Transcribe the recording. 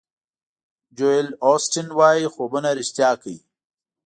جویل اوسټین وایي خوبونه ریښتیا کړئ.